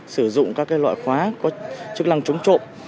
sử dụng các loại khóa có chức năng chống trộm